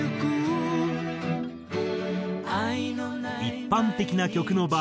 一般的な曲の場合